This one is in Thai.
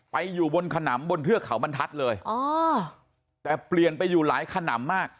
อยู่บนขนำบนเทือกเขาบรรทัศน์เลยอ๋อแต่เปลี่ยนไปอยู่หลายขนำมาก